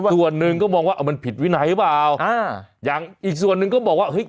ส่วนหนึ่งก็มองว่ามันผิดวินัยหรือเปล่าอ่าอย่างอีกส่วนหนึ่งก็บอกว่าเฮ้ย